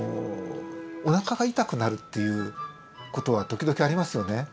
おなかが痛くなるっていう事は時々ありますよね。